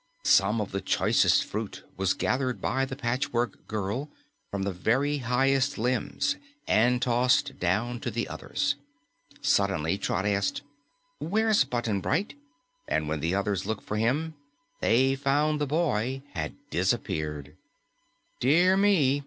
Some of the choicest fruit was gathered by the Patchwork Girl from the very highest limbs and tossed down to the others. Suddenly, Trot asked, "Where's Button Bright?" and when the others looked for him, they found the boy had disappeared. "Dear me!"